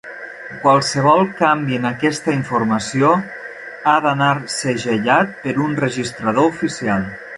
Qualsevol canvi en aquesta informació ha d'anar segellat per un registrador oficial.